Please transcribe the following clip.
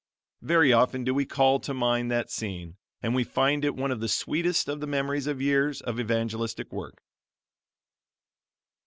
Very often do we call to mind that scene, and we find it one of the sweetest of the memories of years of evangelistic work.